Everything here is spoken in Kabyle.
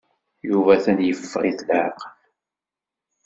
Yuba atan yeffeɣ-it leɛqel.